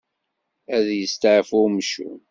Ad yesteɛfu wemcum.